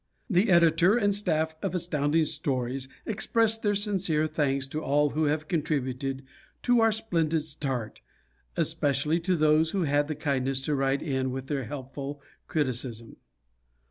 The Editor and staff of Astounding Stories express their sincere thanks to all who have contributed to our splendid start especially to those who had the kindness to write in with their helpful criticism.